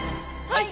はい！